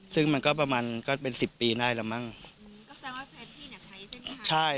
ซึ่งมันก็ประมาณก็เป็นสิบปีได้แล้วมั้งอืมก็แสดงว่าแฟนพี่เนี่ยใช้ใช่ไหมคะใช่